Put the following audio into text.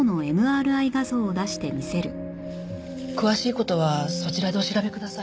詳しい事はそちらでお調べください。